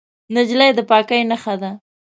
نجلۍ د پاکۍ نښه ده.